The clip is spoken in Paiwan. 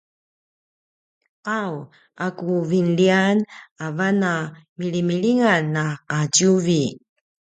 qau a ku vinliyan avan a “milimilingan na qatjuvi”